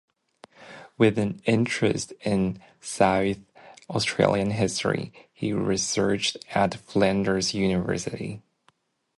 With an interest in South Australian history, he researched at Flinders University.